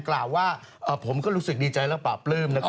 กล่าวว่าผมก็รู้สึกดีใจและปราบปลื้ม